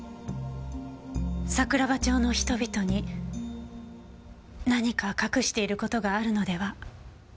桜庭町の人々に何か隠している事があるのでは？